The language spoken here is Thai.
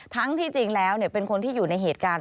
ที่จริงแล้วเป็นคนที่อยู่ในเหตุการณ์